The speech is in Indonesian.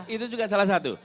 itu juga salah satu